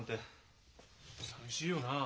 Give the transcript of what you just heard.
さみしいよなあ。